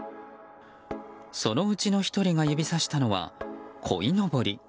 そのうちの１人が指さしたのはこいのぼり。